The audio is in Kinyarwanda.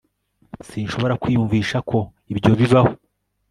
sinshobora kwiyumvisha ko ibyo bibaho